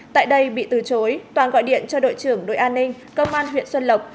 tại đây bị từ chối toàn gọi điện cho đội trưởng đội an ninh công an huyện xuân lộc